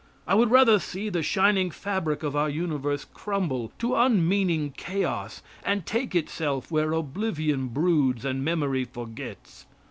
I would rather see the shining fabric of our universe crumble to unmeaning chaos, and take itself where oblivion broods and memory forgets.